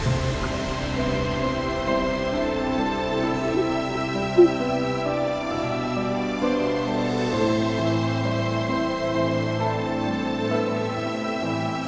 พ่อหน้า